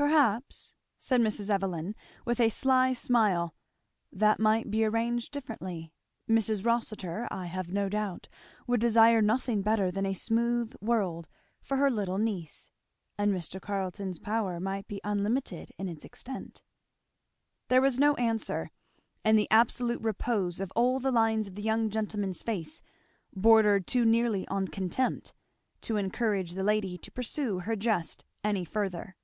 "Perhaps," said Mrs. Evelyn with a sly smile, "that might be arranged differently Mrs. Rossitur I have no doubt would desire nothing better than a smooth world for her little niece and Mr. Carleton's power might be unlimited in its extent." There was no answer, and the absolute repose of all the lines of the young gentleman's face bordered too nearly on contempt to encourage the lady to pursue her jest any further.